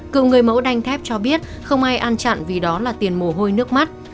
cựu người mẫu đành thép cho biết không ai ăn chặn vì đó là tiền mồ hôi nước mắt